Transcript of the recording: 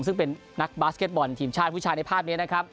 ซึ่งเป็นนักบาสเก็ตบอลทีมชาติผู้ชายในภาพนี้นะครับ